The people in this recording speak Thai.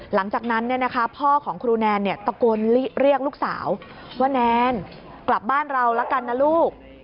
หลังจากนั้นเนี่ยนะคะพ่อของครูแนนเนี่ยตะโกนเรียกลูกสาวว่าแนนกลับบ้านเราแล้วกันนะลูก